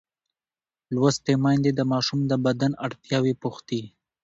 لوستې میندې د ماشوم د بدن اړتیاوې پوښتي.